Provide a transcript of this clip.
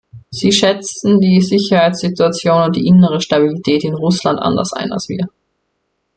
Sie schätzen die Sicherheitssituation und die innere Stabilität in Russland anders ein als wir.